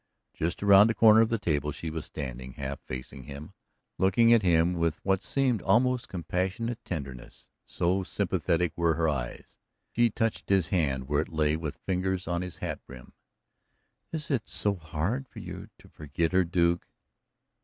Just around the corner of the table she was standing, half facing him, looking at him with what seemed almost compassionate tenderness, so sympathetic were her eyes. She touched his hand where it lay with fingers on his hat brim. "Is it so hard for you to forget her, Duke?"